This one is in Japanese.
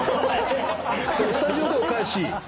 スタジオでお返し？